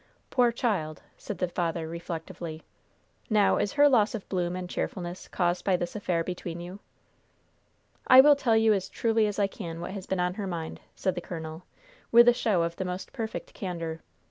Poor child!" said the father, reflectively. "Now, is her loss of bloom and cheerfulness caused by this affair between you?" "I will tell you as truly as I can what has been on her mind," said the colonel, with a show of the most perfect candor.